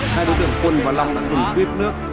hai đối tượng quân và long đã dùng tuyết nước